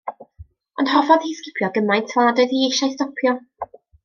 Ond hoffodd hi sgipio gymaint fel nad oedd hi eisiau stopio.